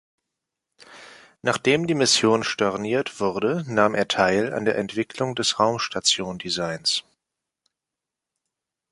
Nachdem die Mission storniert wurde, nahm er teil an der Entwicklung des Raumstationsdesigns.